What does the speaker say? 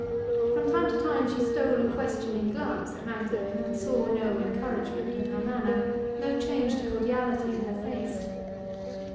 From time to time she stole a questioning glance at Magdalen, and saw no encouragement in her manner, no change to cordiality in her face.